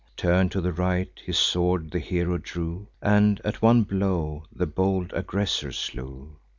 Turn'd to the right, his sword the hero drew, And at one blow the bold aggressor slew.